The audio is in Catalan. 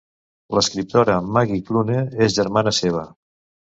L'escriptora Maggie Clune és germana seva.